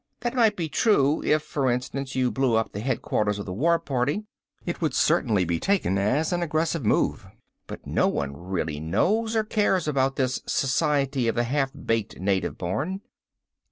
That might be true if, for instance, you blew up the headquarters of the War Party. It would certainly be taken as an aggressive move. But no one really knows or cares about this Society of the Half baked Native Born.